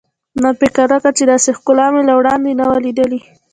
ما فکر وکړ چې داسې ښکلا مې له وړاندې نه وه لیدلې.